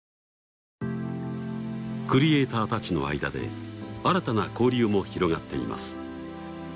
クリエイターたちの間で新たな交流も広がっています。